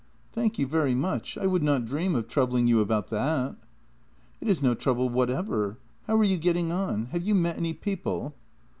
" Thank you very much. I would not dream of troubling you about that." " It is no trouble whatever. How are you getting on? Have you met any people?